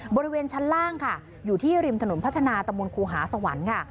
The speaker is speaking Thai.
บริเวณชั้นล่างค่ะอยู่ที่ริมถนนพัฒนาตะมนต์ครูหาสวรรค์ค่ะ